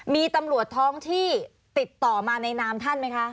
มีตำรวจท้องที่ติดต่อมาในนามท่านไหมคะ